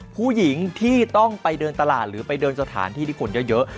ผู้หญิงที่ต้องไปเดินตลาดหรือไปเดินสถานที่ที่คนเยอะ